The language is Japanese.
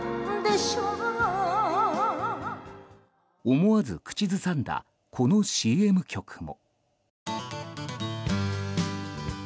思わず口ずさんだこのＣＭ曲も。